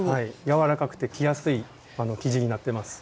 柔らかくて着やすい生地になってます。